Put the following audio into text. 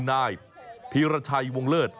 นายพีรชัยวงเลิศ